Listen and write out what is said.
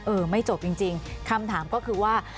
ไม่จบจริงคำถามก็คือว่า